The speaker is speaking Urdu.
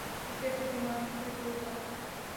یہ کیفیت دیوانگی تک لے جاتی ہے۔